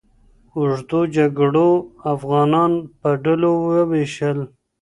اوږدو جګړو افغانان په ډلو وویشل.